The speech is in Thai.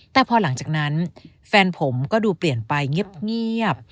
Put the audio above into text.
แต่พอหลังจากนั้นแฟนผมก็ดูเปลี่ยนไปเงียบ